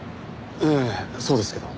ええそうですけど。